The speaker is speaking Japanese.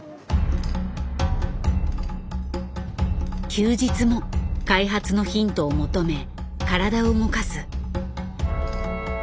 休日も開発のヒントを求め体を動かす。